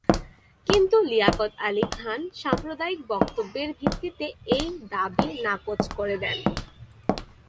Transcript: কিন্তু লিয়াকত আলী খান সাম্প্রদায়িক বক্তব্যের ভিত্তিতে এই দাবি নাকচ করে দেন।